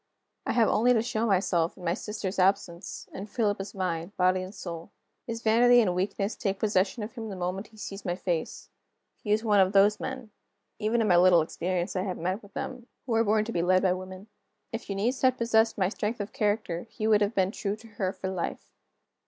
I have only to show myself, in my sister's absence, and Philip is mine body and soul. His vanity and his weakness take possession of him the moment he sees my face. He is one of those men even in my little experience I have met with them who are born to be led by women. If Eunice had possessed my strength of character, he would have been true to her for life.